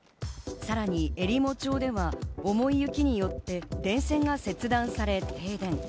さらに、えりも町では重い雪によって電線が切断され停電。